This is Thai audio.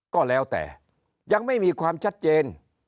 ก็แล้วแต่ยังไม่มีความชัดเจน